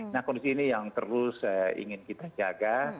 nah kondisi ini yang terus ingin kita jaga